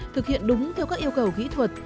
thực hiện đúng theo các yêu cầu kỹ thuật